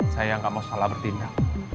saya nggak mau salah bertindak